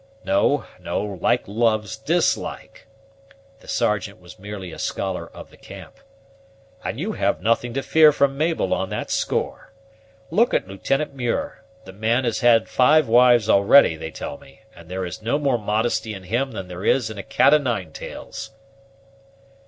No, no, like loves dislike," the Sergeant was merely a scholar of the camp, "and you have nothing to fear from Mabel on that score. Look at Lieutenant Muir; the man has had five wives already, they tell me, and there is no more modesty in him than there is in a cat o' nine tails."